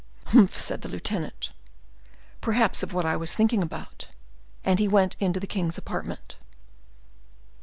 "Humph!" said the lieutenant; "perhaps of what I was thinking about." And he went into the king's apartment.